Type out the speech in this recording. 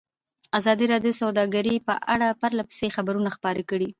ازادي راډیو د سوداګري په اړه پرله پسې خبرونه خپاره کړي.